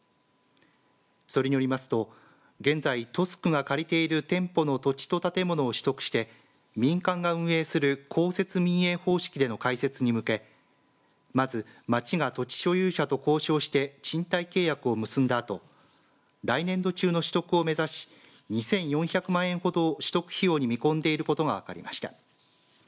それによりますと現在トスクが借りている店舗の土地と建物を取得して民間が運営する公設民営方式での開設に向けまず町が土地所有者と交渉して賃貸契約を結んだ後来年度中の取得を目指し２４００万円ほどを取得費用に見込んでいることが分かりました。